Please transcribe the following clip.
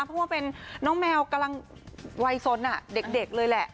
เพราะว่าเป็นน้องแมวกำลังวัยสนเด็กเลยแหละ